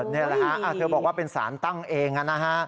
นี่แหละฮะเธอบอกว่าเป็นสารตั้งเองนะฮะ